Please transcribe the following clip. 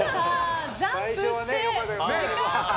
ジャンプして。